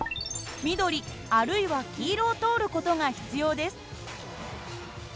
緑あるいは黄色を通る事が必要です。